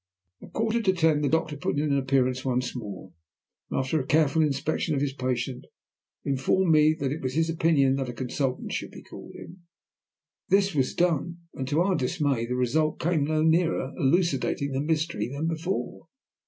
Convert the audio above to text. At a quarter to ten the doctor put in an appearance once more, and, after a careful inspection of his patient, informed me that it was his opinion that a consultant should be called in. This was done, and to our dismay the result came no nearer elucidating the mystery than before.